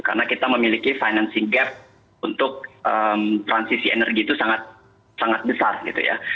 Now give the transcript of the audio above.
karena kita memiliki financing gap untuk transisi energi itu sangat besar gitu ya